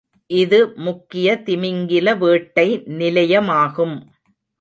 இது முக்கிய திமிங்கில வேட்டை நிலையமாகும்.